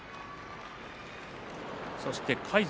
そして魁禅